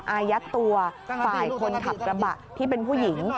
อายัดตัวฝ่ายคนขับกระบะที่เป็นผู้หญิง